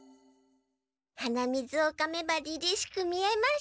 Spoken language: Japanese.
はなみずをかめばりりしく見えます。